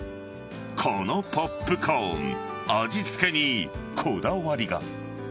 このポップコーン味付けにこだわりが。